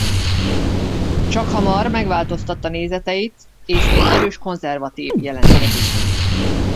Csakhamar megváltoztatta nézeteit és mint erős konzervatív jelentkezik.